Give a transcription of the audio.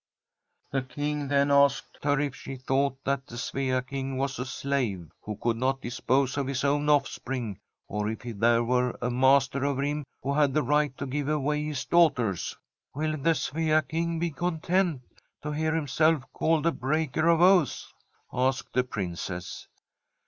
• The King then asked her if she thought that the Svea King was a slave, who could not dis pose of his own oflFspring, or if there were a master over him who had the right to give away his daughters. •*• Will the Svea King be content to hear himself called a breaker of oaths ?" asked the Princess.